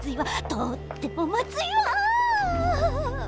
とってもまずいわ。